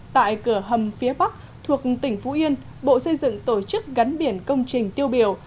tại cửa hầm phía bắc thuộc tỉnh phú yên bộ xây dựng tổ chức gắn biển công trình tiêu biểu